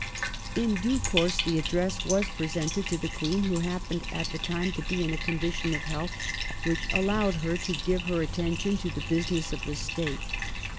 In due course the Address was presented to the Queen, who happened at the time to be in a condition of health which allowed her to give her attention to the business of the State.